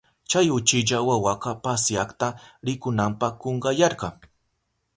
Chay uchilla wawaka pasyakta rikunanpa kunkayarka.